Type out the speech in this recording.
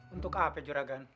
untuk apa juragan